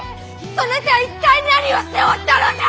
そなた一体何をしておったのじゃ！